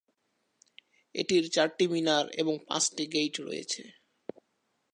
এটির চারটি মিনার এবং পাঁচটি গেইট রয়েছে।